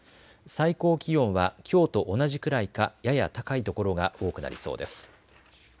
最高気温はきょうと同じくらいかやや高い所が多くなりそうです。